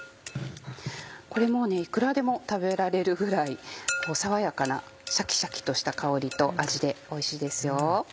これもういくらでも食べられるぐらい爽やかなシャキシャキとした香りと味でおいしいですよ。